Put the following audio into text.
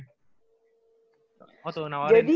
sama tenaga baru emang gak ada club lain